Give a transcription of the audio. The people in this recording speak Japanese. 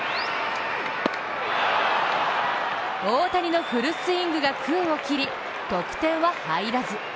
大谷のフルスイングが空を切り得点は入らず。